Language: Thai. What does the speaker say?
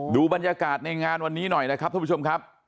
ดูบรรยากาศในงานวันนี้หน่อยนะครับท่านผู้ชมครับ